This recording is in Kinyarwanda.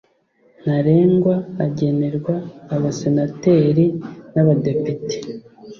ntarengwa agenerwa Abasenateri n Abadepite